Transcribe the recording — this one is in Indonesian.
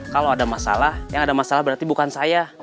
kalau ada masalah yang ada masalah berarti bukan saya